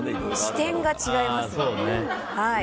視点が違いますね。